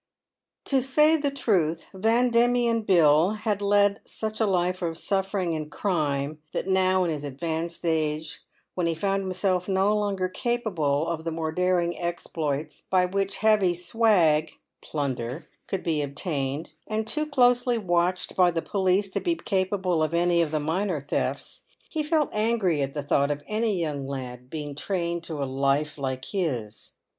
To say the truth, Van Diemen Bill had led such a life of suffering and crime that now, in his advanced age, when he found himself no longer capable of the more daring exploits by which heavy " swag'? PAVED WITH GOLD. 71 (plunder) could be obtained, and too closely watched by the police to be capable of any of the minor thefts, he felt angry at the thought of any young lad being trained to a life like his.